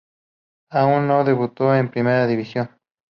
Aún no debutó en Primera División.